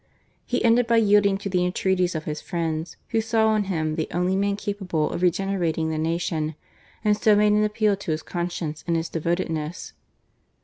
He ended by yielding to the intreaties of his friends, who saw in him the only man capable of regene rating the nation, and so made an appeal to his con science and his devotedness.